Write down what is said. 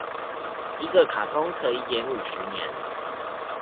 一個卡通可以演五十年